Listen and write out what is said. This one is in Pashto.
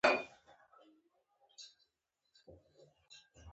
ازادي راډیو د اټومي انرژي په اړه سیمه ییزې پروژې تشریح کړې.